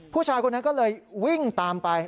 ผู้ชายคนนั้นก็เลยวิ่งตามไป